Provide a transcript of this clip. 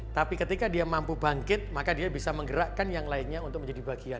tapi ketika dia mampu bangkit maka dia bisa menggerakkan yang lainnya untuk menjadi bagian